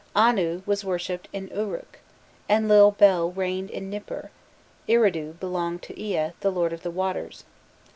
Anu was worshipped in Uruk, Enlil Bel reigned in Nipur, Eridu belonged to Ea, the lord of the waters.